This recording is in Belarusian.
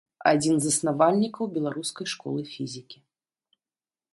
Адзін з заснавальнікаў беларускай школы фізікі.